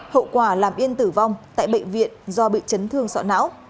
hậu quả làm yên tử vong tại bệnh viện do bị chấn thương sọ não